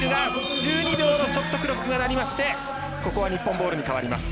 １２秒のショットクロックが鳴りまして日本ボールに変わります。